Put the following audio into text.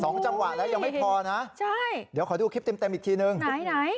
จังหวะแล้วยังไม่พอนะใช่เดี๋ยวขอดูคลิปเต็มเต็มอีกทีนึงไปไหน